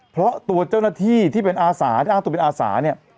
เพราะตัวเจ้าหน้าที่ที่เป็นอาสาที่อ้างตัวเป็นอาสาเนี่ย